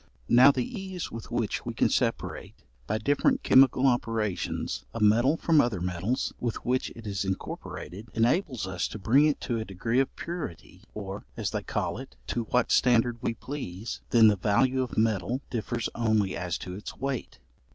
Now the ease with which we can separate, by different chemical operations, a metal from other metals with which it is incorporated, enables us to bring it to a degree of purity, or, as they call it, to what standard we please; then the value of metal differs only as to its weight.